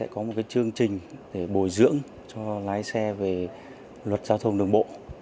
có một chương trình để bồi dưỡng cho lái xe về luật giao thông đường bộ